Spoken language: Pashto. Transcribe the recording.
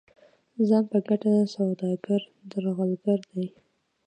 ځان په ګټه سوداګر درغلګر دي.